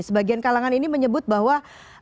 sebagian kalangan ini menyebut bahwa